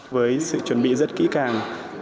với sự chuẩn bị rất kỹ càng